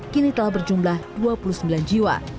kini telah berjumlah dua puluh sembilan jiwa